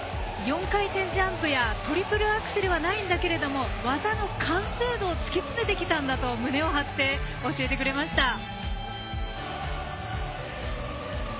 ４回転ジャンプやトリプルアクセルはないんだけれども技の完成度を突き詰めてきたんだと胸を張って、教えてくれました。